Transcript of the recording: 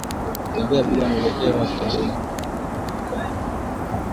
Kutembea bila mwelekeo au kutembeatembea bila sababu